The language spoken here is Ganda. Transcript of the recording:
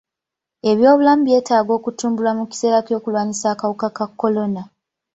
Eby'obulamu byetaaga okutumbulwa mu kiseera ky'okulwanyisa akawuka ka kolona.